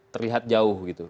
terlihat jauh gitu